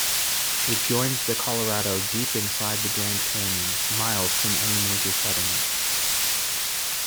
It joins the Colorado deep inside the Grand Canyon, miles from any major settlement.